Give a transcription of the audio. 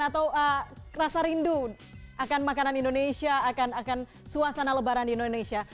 atau rasa rindu akan makanan indonesia akan suasana lebaran di indonesia